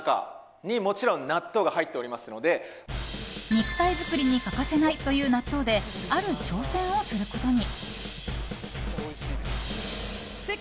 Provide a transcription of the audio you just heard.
肉体作りに欠かせないという納豆で、ある挑戦をすることに。